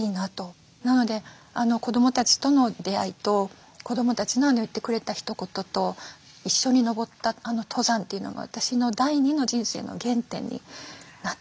なので子どもたちとの出会いと子どもたちの言ってくれたひと言と一緒に登った登山というのが私の第２の人生の原点になってます。